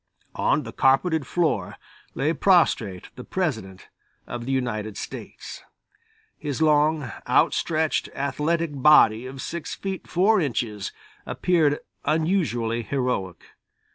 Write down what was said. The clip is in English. On the carpeted floor lay prostrate the President of the United States. His long, outstretched, athletic body of six feet four inches appeared unusually heroic.